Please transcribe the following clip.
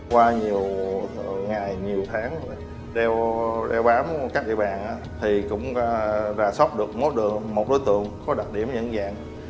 qua nhiều ngày nhiều tháng đeo bám các địa bàn thì cũng ra sóc được một đối tượng có đặc điểm những dạng